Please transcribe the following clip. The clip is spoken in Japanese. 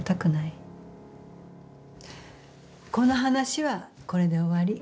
この話はこれで終わり。